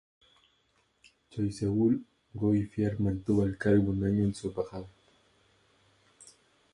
Choiseul-Gouffier mantuvo el cargo un año en su embajada.